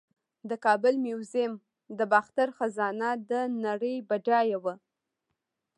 د کابل میوزیم د باختر خزانه د نړۍ بډایه وه